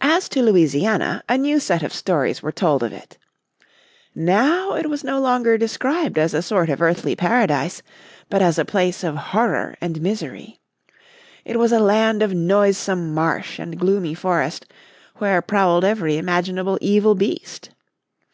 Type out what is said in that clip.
As to Louisiana, a new set of stories were told of it. Now it was no longer described as a sort of earthly paradise, but as a place of horror and misery. It was a land of noisome marsh and gloomy forest, where prowled every imaginable evil beast.